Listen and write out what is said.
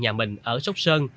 về nhà mình ở sốc sơn